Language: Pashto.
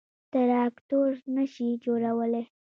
تراکتور نه شي جوړولای.